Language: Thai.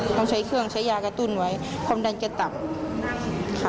ต้องใช้เครื่องใช้ยากระตุ้นไว้ความดันจะต่ำค่ะ